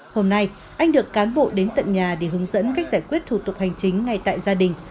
hôm nay anh được cán bộ đến tận nhà để hướng dẫn cách giải quyết thủ tục hành chính ngay tại gia đình